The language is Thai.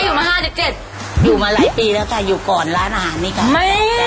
อยู่มา๕๗อยู่มาหลายปีแล้วค่ะอยู่ก่อนร้านอาหารนี่ค่ะ